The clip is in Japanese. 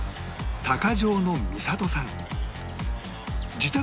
鷹匠の美里さん